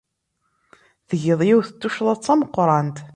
Tgid yiwet n tuccḍa d tameqrant.